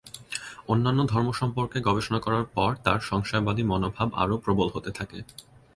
অন্যান্য ধর্ম সম্পর্কে গবেষণা করার পর তার সংশয়বাদী মনোভাব আরো প্রবল হতে থাকে।